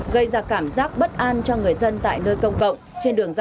gây ra cảm giác bất an cho người dân tại nơi công cộng